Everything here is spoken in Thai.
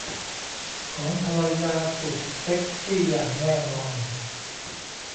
ของภรรยาสุดเซ็กซี่อย่างแน่นอน